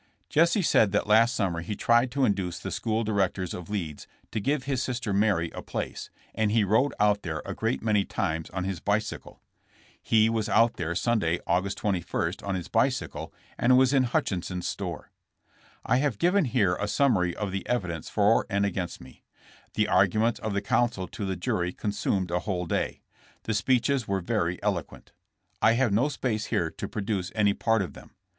Jesse said that last summer he tried to induce the school directors of Leeds to give his sister Mary a place, and he rode out there a great many times on his bicycle. He was out there Sunday, August 21, on his bicycle and was in Hutchison's store. I have given here a summary of the evidence for and against me. The arguments of the counsel to the jury consumed a whole day. The speeches were very eloquent. I have no space here to produce any part of them.